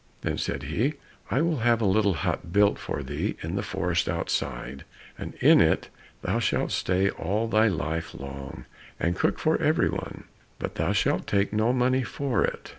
Then said he, "I will have a little hut built for thee in the forest outside, and in it thou shalt stay all thy life long and cook for every one, but thou shalt take no money for it."